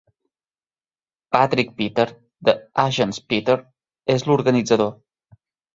Patrick Peter de Agence Peter és l'organitzador.